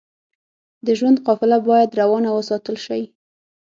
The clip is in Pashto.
د ژوند قافله بايد روانه وساتل شئ.